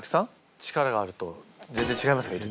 力があると全然違いますか？